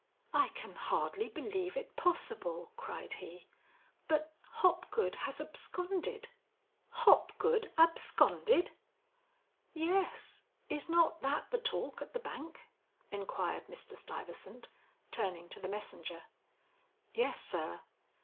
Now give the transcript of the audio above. "I can hardly believe it possible," cried he, "but Hopgood has absconded." "Hopgood absconded?" "Yes; is not that the talk at the bank?" inquired Mr. Stuyvesant, turning to the messenger. "Yes sir.